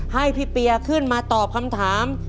ให้พี่เปียขึ้นมาตอบคำถาม